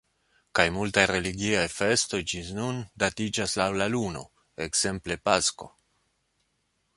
Kaj multaj religiaj festoj ĝis nun datiĝas laŭ la luno, ekzemple pasko.